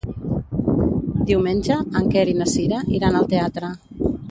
Diumenge en Quer i na Cira iran al teatre.